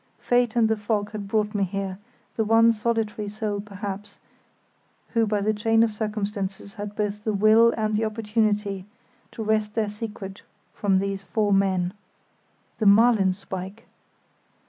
Fate and the fog had brought me here, the one solitary soul perhaps who by the chain of circumstances had both the will and the opportunity to wrest their secret from these four men. The marlin spike!